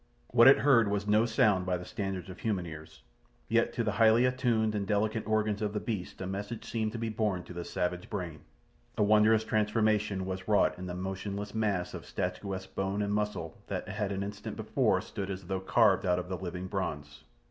What it heard was no sound by the standards of human ears, yet to the highly attuned and delicate organs of the beast a message seemed to be borne to the savage brain. A wondrous transformation was wrought in the motionless mass of statuesque bone and muscle that had an instant before stood as though carved out of the living bronze.